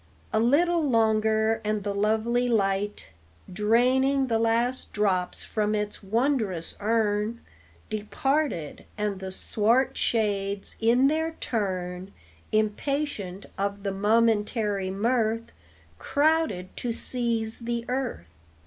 A little longer, and the lovely light, Draining the last drops from its wondrous urn, Departed, and the swart shades in their turn, Impatient of the momentary mirth, Crowded to seize the earth.